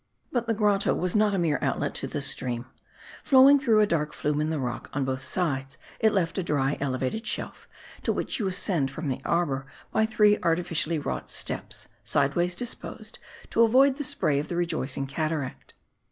But the grotto was not a mere outlet to the stream. Flowing through a dark flume in the rock, on both sides it left a dry, elevated shelf, to which you ascend from the arbor by three artificially wrought steps, sideways disposed, .' M A R D I. 273 to avoid the spray of the rejoicing cataract.